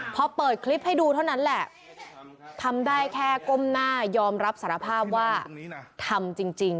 พอเปิดคลิปให้ดูเท่านั้นแหละทำได้แค่ก้มหน้ายอมรับสารภาพว่าทำจริง